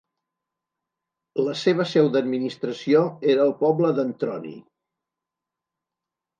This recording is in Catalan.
La seva seu d'administració era el poble d'Antroni.